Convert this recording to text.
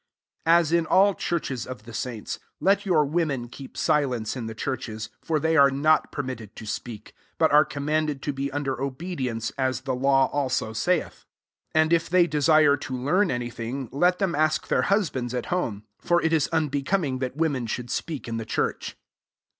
As in . all churches of the saints, 34 let [your] women keep si lence in the churches : for they are not permitted to speak ; but are commanded to be under obedience, as the law also saith. 35 And if they desire to learn any thing, let them ask their 'usbands at home: for it is unbecoming that woriien should speak in the church.